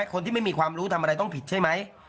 คนที่ไม่มีความรู้ทำอะไรต้องผิดใช่ไหม